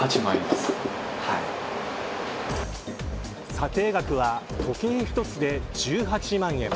査定額は時計１つで１８万円。